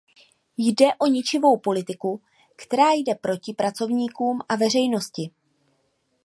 Jde o ničivou politiku, která jde proti pracovníkům a veřejnosti.